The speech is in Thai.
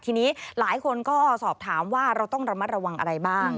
ทีนี้หลายคนก็สอบถามว่าเราต้องระมัดระวังอะไรบ้าง